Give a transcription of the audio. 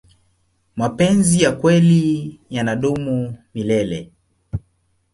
mapenzi ya kweli yanadumu milele